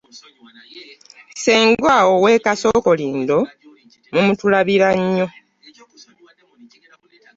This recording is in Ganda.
Ssenga ow'e Kasokolindo mumutulabira nnyo.